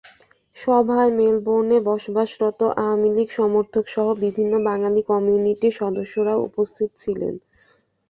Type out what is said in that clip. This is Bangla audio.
সভায় মেলবোর্নে বসবাসরত আওয়ামী লীগ সমর্থকসহ বিভিন্ন বাঙালি কমিউনিটির সদস্যরাও উপস্থিত ছিলেন।